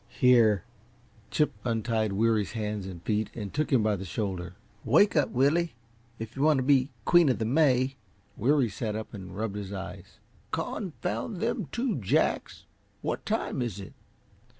"Here!" Chip untied Weary's hands and feet and took him by the shoulder. "Wake up, Willie, if you want to be Queen o' the May." Weary sat up and rubbed his eyes. "Confound them two Jacks! What time is it?"